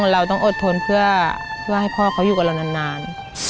เราต้องอดทนเพื่อให้พ่อเขาอยู่กับเรานาน